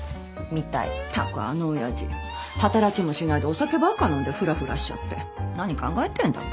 ったくあの親父働きもしないでお酒ばっか飲んでふらふらしちゃって何考えてんだか。